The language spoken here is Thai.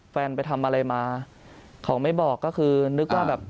แฟนไปทำอะไรมาเขาไม่บอกก็คือนึกว่าแบบ